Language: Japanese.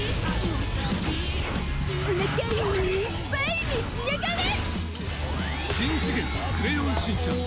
おなかいーっぱい召し上がれ！